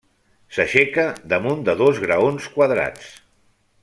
S'aixeca damunt de dos graons quadrats.